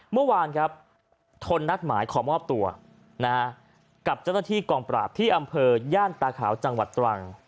เมื่อวานครับทนนัดหมายขอมอบตัวกับเจ้าหน้าที่กองปราบที่อำเภอย่านตาขาวจังหวัดตรัง